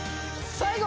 最後！